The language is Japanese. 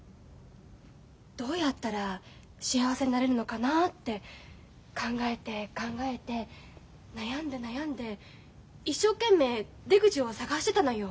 どうやったら幸せになれるのかなって考えて考えて悩んで悩んで一生懸命出口を探してたのよ。